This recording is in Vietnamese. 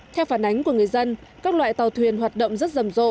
theo phản ánh của người dân các loại tàu thuyền hoạt động rất rầm rộ